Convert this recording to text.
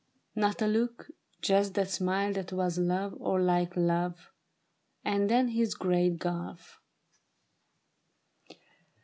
71 Not a look : just that smile that was love, or like love, And then this great gulf.